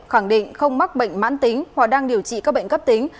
khẳng định không mắc bệnh mãn tính hoặc đang điều trị các bệnh cấp tính